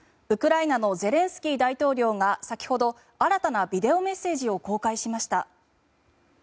ウクライナのゼレンスキー大統領が先ほど新たなビデオメッセージを公開しました。